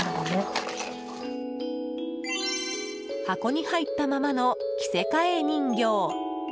箱に入ったままの着せ替え人形。